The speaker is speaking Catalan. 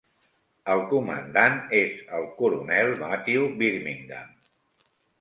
El comandant és el coronel Matthew Birmingham.